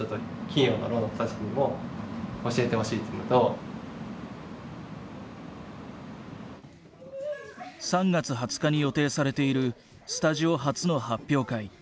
気持ちとしては３月２０日に予定されているスタジオ初の発表会。